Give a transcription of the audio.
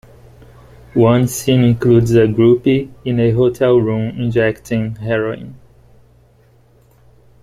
One scene includes a groupie in a hotel room injecting heroin.